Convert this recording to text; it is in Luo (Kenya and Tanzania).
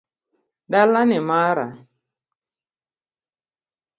Dala ni mara